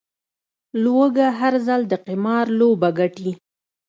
لوږه، هر ځل د قمار لوبه ګټي